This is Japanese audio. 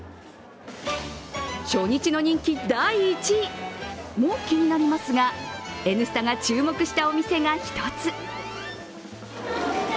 初日の人気第１位も気になりますが、「Ｎスタ」が注目したお店が１つ。